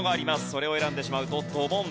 それを選んでしまうとドボン。